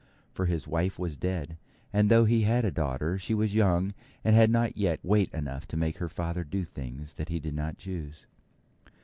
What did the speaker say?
For his wife was dead; and though he had a daughter, she was young, and had not yet weight enough to make her father do things that he did not choose.